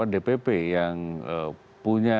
dpp yang punya